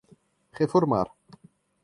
reformar